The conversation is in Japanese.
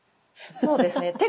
そうですね。